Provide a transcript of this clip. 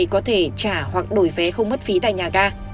hành khách có thể trả hoặc đổi vé không mất phí tại nhà ga